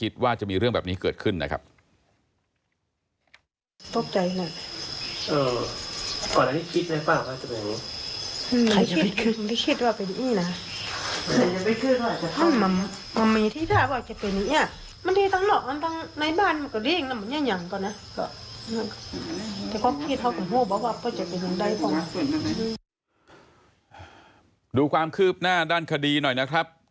ดูความคืบหน้าด้านคดีหน่อยนะครับ